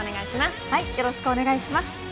よろしくお願いします。